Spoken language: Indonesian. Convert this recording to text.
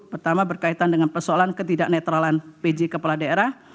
pertama berkaitan dengan persoalan ketidak netralan pj kepala daerah